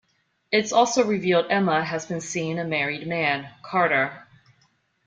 It's also revealed Emma has been seeing a married man, Carter.